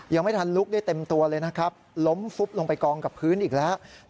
ยังไม่ทันลุกได้เต็มตัวเลยนะครับล้มฟุบลงไปกองกับพื้นอีกแล้ว